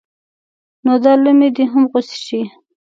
نو دا لومې دې هم غوڅې شي.